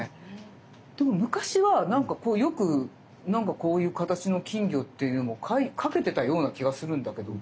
でも昔はなんかこうよくこういう形の金魚っていう絵も描けてたような気がするんだけど。